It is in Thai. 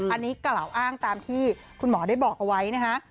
อันนี้กล่าวอ้างตามที่คุณหมอได้บอกเอาไว้นะคะ